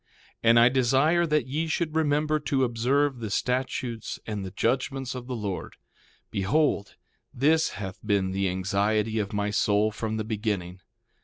1:16 And I desire that ye should remember to observe the statutes and the judgments of the Lord; behold, this hath been the anxiety of my soul from the beginning.